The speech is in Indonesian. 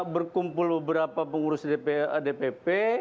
berkumpul beberapa pengurus dpp